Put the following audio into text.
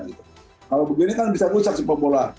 kalau begini kan bisa rusak sepuluh bola